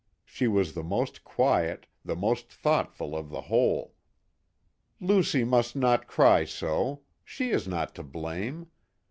She was the most quiet, the most thoughtful of the whole. " Lucie mvrst not cry so. She is not to blame.